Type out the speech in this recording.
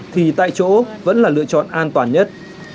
thì tại chỗ vẫn là lựa chọn an toàn nhất